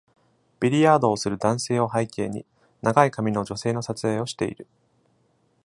ビリヤードをする男性を背景に、長い髪の女性の撮影をしている。